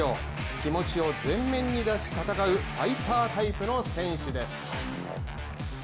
気持ちを前面に出し戦うファイタータイプの選手です。